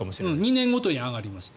２年ごとに上がります。